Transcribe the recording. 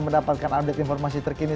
dan dapatkan update informasi terkini